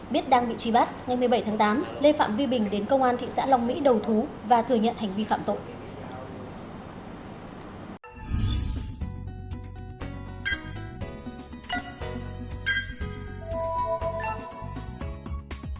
biết đang bị truy bắt ngày một mươi bảy tháng tám lê phạm vi bình đến công an thị xã long mỹ đầu thú và thừa nhận hành vi phạm tội